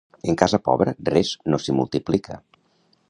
En casa pobra res no s'hi multiplica.